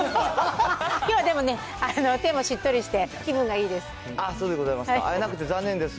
きょうはでもね、手もしっとりして気分がいいです。